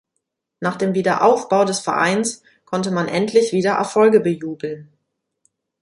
Nach dem Wiederaufbau des Vereins konnte man endlich wieder Erfolge bejubeln.